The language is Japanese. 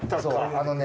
あのね